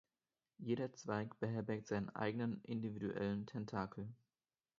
Jeder Zweig beherbergt seinen eigenen individuellen Tentakel.